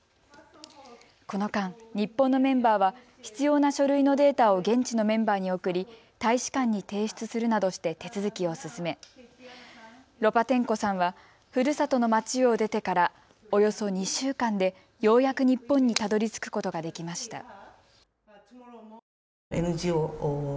この間、日本のメンバーは必要な書類のデータを現地のメンバーに送り大使館に提出するなどして手続きを進めロパテンコさんはふるさとの町を出てからおよそ２週間でようやく日本にたどりつくことができました。